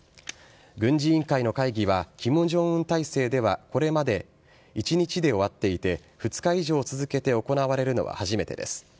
軍事委員会の会議は金正恩体制ではこれまで１日で終わっていて２日以上続けて行われるのは初めてです。